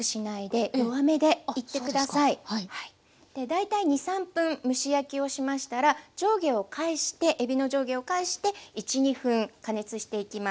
大体２３分蒸し焼きをしましたらえびの上下を返して１２分加熱していきます。